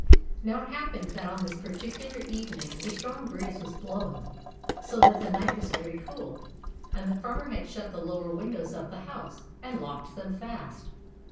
Now it happened that on this particular evening, a strong breeze was blowing, so that the night was very cool ; and the Far mer had shut the lower windows of the house, and locked them fast.